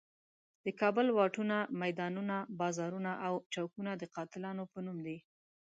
د کابل واټونه، میدانونه، بازارونه او چوکونه د قاتلانو په نوم دي.